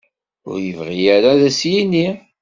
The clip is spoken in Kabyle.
Ur ibɣi ara ad as-t-yini.